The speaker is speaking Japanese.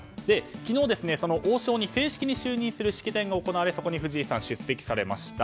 昨日、その王将に正式に就任する式典が行われそこに藤井さんが出席されました。